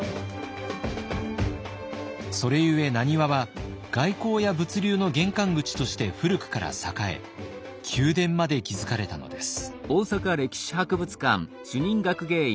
それゆえ難波は外交や物流の玄関口として古くから栄え宮殿まで築かれたのです。